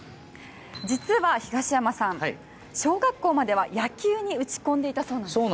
実は、東山さん、小学校までは野球に打ち込んでいたそうなんです。